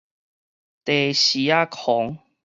茶匙仔癀